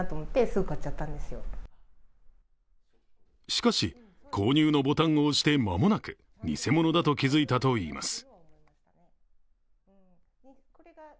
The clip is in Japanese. しかし、購入のボタンを押して間もなく、偽物だと気づいたといいます。